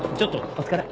お疲れ。